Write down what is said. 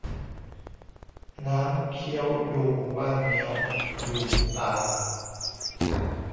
น้ำเคี้ยวยูงว่าเงี้ยว ยูงตาม